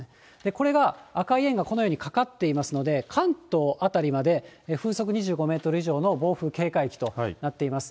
これが赤い円がこのようにかかっていますので、関東辺りまで、風速２５メートル以上の暴風警戒域となっています。